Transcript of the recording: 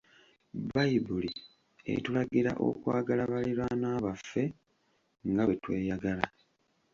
Bbayibuli etulagira okwagala baliraanwa baffe nga bwe tweyagala.